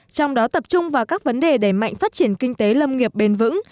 trong đó tập trung vào các vấn đề đẩy mạnh phát triển kinh tế lâm nghiệp bền vững